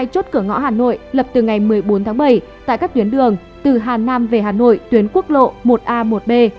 hai chốt cửa ngõ hà nội lập từ ngày một mươi bốn tháng bảy tại các tuyến đường từ hà nam về hà nội tuyến quốc lộ một a một b